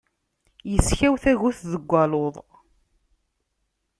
Iskaw tagut deg waḍu.